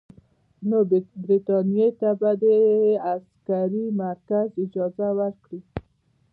نو برټانیې ته به د عسکري مرکز اجازه ورکړي.